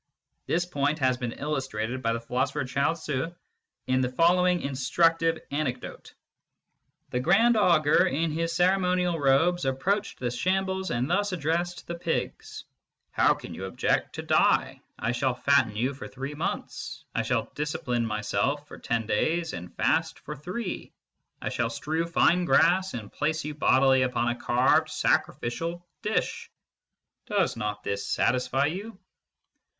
This point has been illustrated by the philosopher Chuang Tzii in the following instructive anecdote : SCIENTIFIC METHOD IN PHILOSOPHY 107 " The Grand Augur, in his ceremonial robes, ap proached the shambles and thus addressed the pigs : How can you object to die ? I shall fatten you for three months. I shall discipline myself for ten days and fast for three. I shall strew fine grass, and place you bodily upon a carved sacrificial dish. Does not this satisfy you